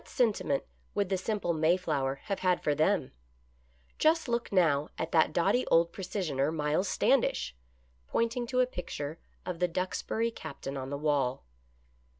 What sentiment would the simple Mayflower have had for them ? Just look now at that doughty old precisioner. Miles Stand ish," pointing to a picture of the Duxbury Captain on the wall.